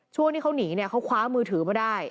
ช่วงที่เขาหนีเนี่ยเขาคว้ามือถือมาได้